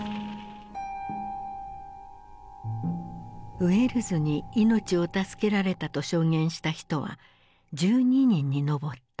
ウェルズに命を助けられたと証言した人は１２人に上った。